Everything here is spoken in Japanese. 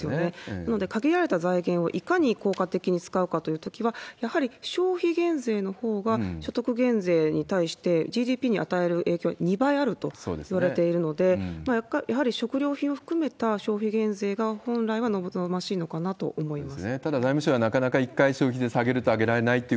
なので、限られた財源をいかに効果的に使うかというときは、やはり消費減税のほうが所得減税に対して、ＧＤＰに与える影響は２倍あるといわれているので、やはり食料品を含めた消費減税が、本来は望ましいのかなと思います。